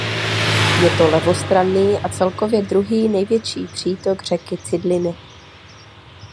Je to levostranný a celkově druhý největší přítok řeky Cidliny.